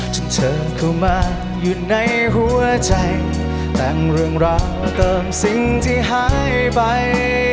จึงเธอเข้ามาอยู่ในหัวใจแต่งเรื่องราวเติมสิ่งที่หายไป